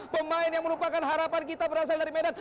pemain yang merupakan harapan kita berasal dari medan